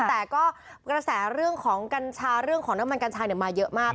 แต่ก็กระแสเรื่องของกัญชาเรื่องของน้ำมันกัญชามาเยอะมาก